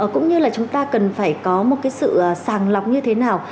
cũng như là chúng ta cần phải có một cái sự sàng lọc như thế nào